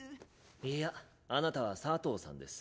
いやあなたはサトウさんです。